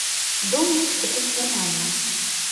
Думаў, што ты ненармальная.